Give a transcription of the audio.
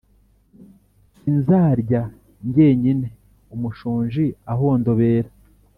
sinzarya ngenyine umushonji ahondobera,